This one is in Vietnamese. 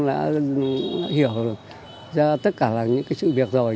đã hiểu ra tất cả là những cái sự việc rồi